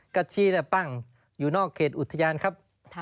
กระชีปั้งอยู่นอกเขตอุทยานครับ